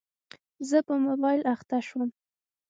زه په موبایل اخته شوم.